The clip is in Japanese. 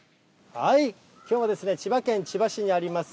きょうは、千葉県千葉市にあります